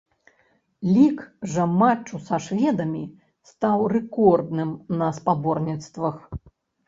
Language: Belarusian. Лік жа матчу са шведамі стаў рэкордным на спаборніцтвах.